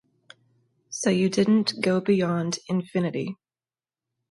So you didn't go beyond infinity